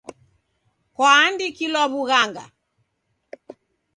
Kwaandikilwaw'ughanga?